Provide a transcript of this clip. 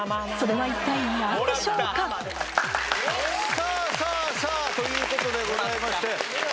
さぁさぁさぁ！ということでございまして。